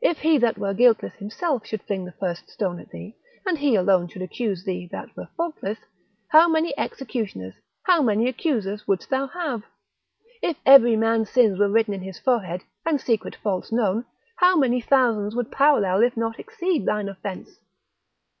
If he that were guiltless himself should fling the first stone at thee, and he alone should accuse thee that were faultless, how many executioners, how many accusers wouldst thou have? If every man's sins were written in his forehead, and secret faults known, how many thousands would parallel, if not exceed thine offence?